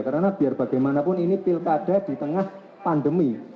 karena biar bagaimanapun ini pilkada di tengah pandemi